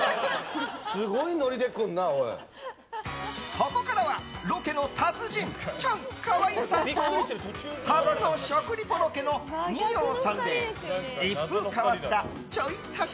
ここからはロケの達人チャンカワイさんと初の食リポロケの二葉さんで一風変わったちょい足し